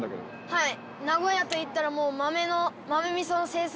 はい。